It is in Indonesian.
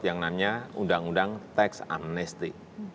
yang namanya undang undang teksamnesti